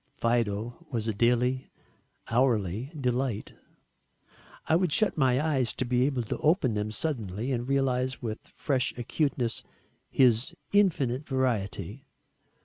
Fido was a daily, hourly delight. I would shut my eyes, to be able to open them suddenly and realise with fresh acuteness his infinite variety.